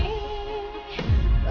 padahal aku enggak lihat